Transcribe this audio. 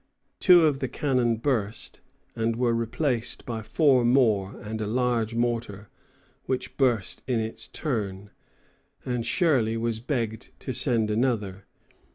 Two of the cannon burst, and were replaced by four more and a large mortar, which burst in its turn, and Shirley was begged to send another.